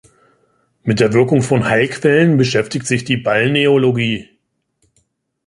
Mit der Wirkung von Heilquellen beschäftigt sich die Balneologie.